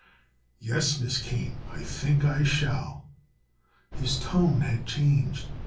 "Yes, Miss Kane; I think I shall." His tone had changed.